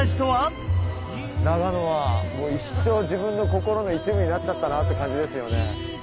長野は一生自分の心の一部になっちゃったなって感じですよね。